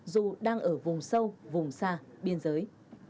dù đang ở vùng sâu vùng xa biên giới